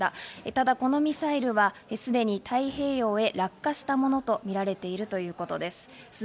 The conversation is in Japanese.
ただこのミサイルはすでに太平洋へ落下したものとみられているということです。